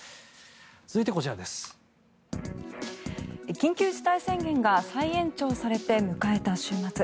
緊急事態宣言が再延長されて迎えた週末。